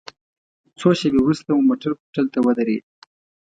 څو شېبې وروسته مو موټر هوټل ته ودرید.